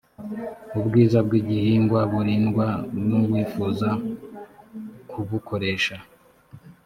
ubwiza bw’ igihingwa burindwa n ‘uwifuza kubukoresha.